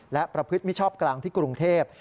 และประพฤติมิชชอบกลางที่กรุงเทพ